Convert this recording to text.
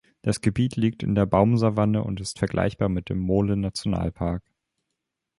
Das Gebiet liegt in der Baumsavanne und ist vergleichbar mit dem Mole-Nationalpark.